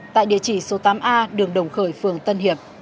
tại địa chỉ số tám a đường đồng khởi phường tân hiệp